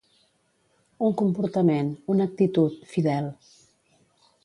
Un comportament, una actitud, fidel.